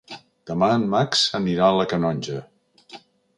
Demà en Max anirà a la Canonja.